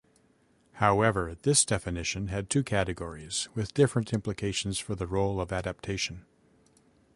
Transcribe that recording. However, this definition had two categories with different implications for the role of adaptation.